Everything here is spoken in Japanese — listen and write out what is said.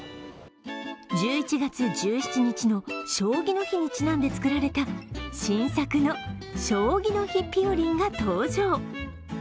１１月１７日の将棋の日にちなんで作られた新作の将棋の日ぴよりんが登場。